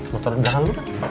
motoran belakang lu dah